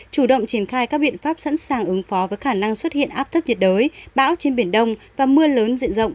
chủ động triển khai các biện pháp sẵn sàng ứng phó với khả năng xuất hiện áp thấp nhiệt đới bão trên biển đông và mưa lớn diện rộng